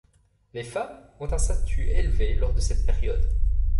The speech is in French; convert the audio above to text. Les femmes ont un statut élevé lors de cette période.